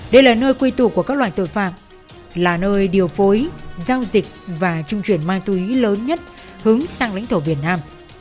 đây là nơi quy tụ của các loài tội phạm là nơi điều phối giao dịch và trung chuyển ma túy lớn nhất hướng sang lãnh thổ việt nam